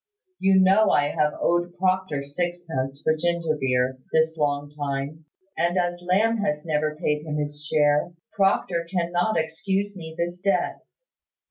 You know I have owed Proctor sixpence for ginger beer, this long time; and as Lamb has never paid him his share, Proctor cannot excuse me this debt.